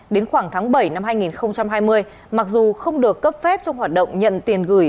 đến khoảng tháng bảy năm hai nghìn hai mươi mặc dù không được cấp phép trong hoạt động nhận tiền gửi